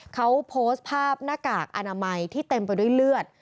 เขาโพสต์ภาพหน้ากากอนามัยที่เต็มไปด้วยเลือด